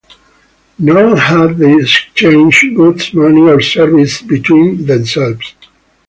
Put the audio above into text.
Nor had they exchanged goods, money or services between themselves.